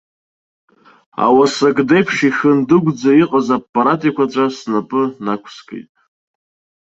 Ауаса гды еиԥш ихындыгәӡа иҟаз аппарат еиқәаҵәа снапы нақәскит.